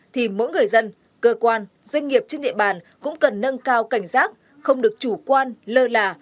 thì mỗi người dân cơ quan doanh nghiệp trên địa bàn cũng cần nâng cao cảnh giác không được chủ quan lơ là